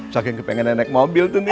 saking kepengen naik mobil tuh nih